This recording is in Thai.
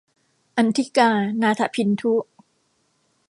อันธิกา นาถะพินธุ